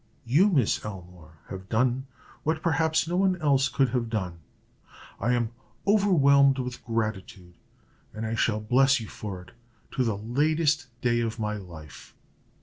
You, Miss Elmore, have done what, perhaps, no one else could have done. I am overwhelmed with gratitude, and I shall bless you for it to the latest day of my life.